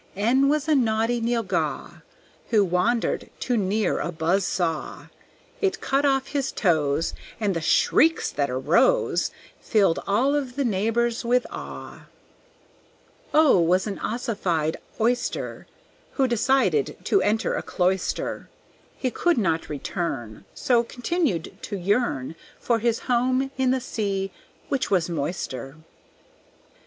N was a naughty Nylghau, Who wandered too near a buzz saw. It cut off his toes, And the shrieks that arose Filled all of the neighbors with awe. O was an ossified Oyster, Who decided to enter a cloister. He could not return, So continued to yearn For his home in the sea, which was moister.